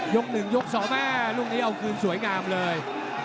ยกหนึ่งยกสองมาลุงนี้เอาคงสวยงามเลย